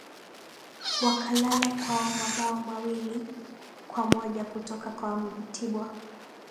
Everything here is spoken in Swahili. wakalala kwa mabao mawili kwa moja kutoka kwa mtibwa